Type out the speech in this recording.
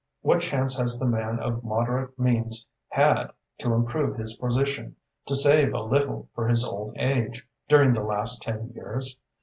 What chance has the man of moderate means had to improve his position, to save a little for his old age, during the last ten years?